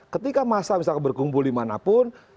ketika masa misalkan berkumpul di manapun